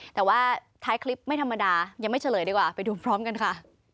แต่ว่าท้ายคลิปไม่ธรรมดายังไม่เฉลยดีกว่าไปดูพร้อมกันค่ะ